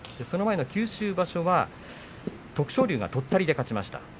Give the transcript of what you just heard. その前の九州場所は徳勝龍が、とったりで勝ちました。